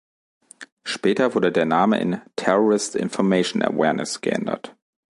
Später wurde der Name in "Terrorist Information Awareness" geändert.